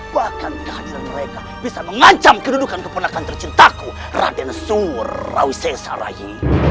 bahkan kehadiran mereka bisa mengancam kedudukan keponakan tercintaku raden surau sesarahi